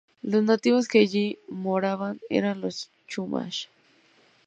Los nativos que allí moraban eran los "chumash".